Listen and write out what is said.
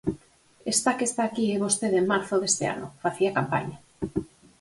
Esta que está aquí é vostede en marzo deste ano, facía campaña.